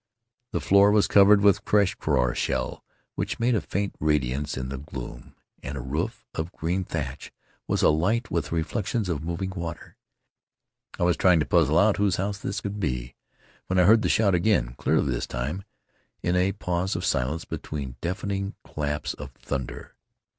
The floor was covered with crushed krora shell which made a faint radiance in the gloom, and a roof of green thatch was alight with the reflections of moving water. I was trying to puzzle out whose house this could be when I heard the shout again, clearly this time, in a pause of silence between deafening claps of thun der.